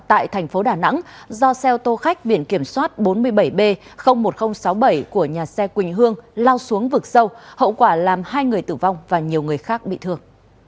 tại thành phố đà nẵng do xe ô tô khách biển kiểm soát bốn mươi bảy b một nghìn sáu mươi bảy của nhà xe quỳnh hương lao xuống vực sâu hậu quả làm hai người tử vong và nhiều người khác bị thương